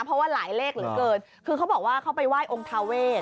เพราะว่าหลายเลขเหลือเกินคือเขาบอกว่าเขาไปไหว้องค์ทาเวท